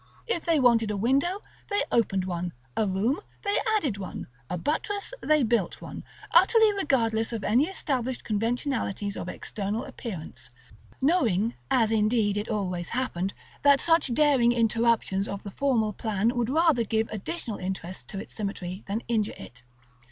If they wanted a window, they opened one; a room, they added one; a buttress, they built one; utterly regardless of any established conventionalities of external appearance, knowing (as indeed it always happened) that such daring interruptions of the formal plan would rather give additional interest to its symmetry than injure it.